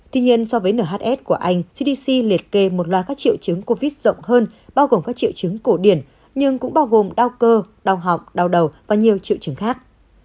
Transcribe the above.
tuy nhiên so với nhs của anh gdp liệt kê một loạt các triệu chứng covid rộng hơn bao gồm các triệu chứng cổ điển nhưng cũng bao gồm đau cơ đau họng đau đầu và nhiều triệu chứng khác